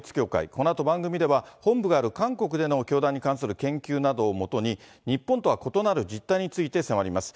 このあと番組では、本部がある韓国での教団に関する研究をもとに、日本とは異なる実態について迫ります。